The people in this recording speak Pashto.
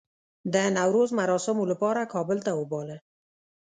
د نوروز مراسمو لپاره کابل ته وباله.